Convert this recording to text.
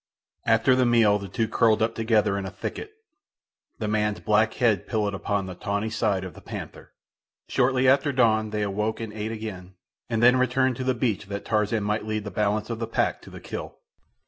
After the meal the two curled up together in a thicket, the man's black head pillowed upon the tawny side of the panther. Shortly after dawn they awoke and ate again, and then returned to the beach that Tarzan might lead the balance of the pack to the kill.